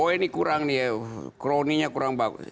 ini kurang kroninya kurang bagus